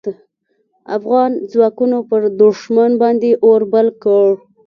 افغان ځواکونو پر دوښمن باندې اور بل کړ.